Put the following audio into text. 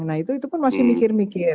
nah itu pun masih mikir mikir